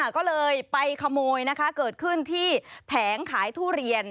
ก็เลยไปขโมยนะคะเกิดขึ้นที่แผงขายทุเรียน